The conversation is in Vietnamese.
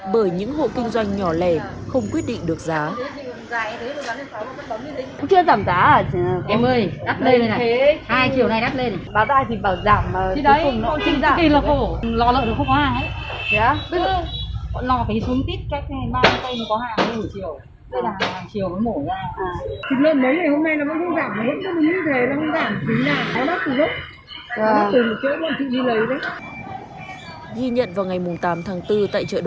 bởi những hộ kinh doanh nhỏ lề không quyết định được giá